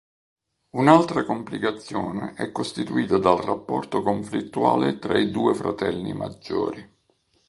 Un'altra complicazione è costituita dal rapporto conflittuale tra i due fratelli maggiori.